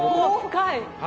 深い。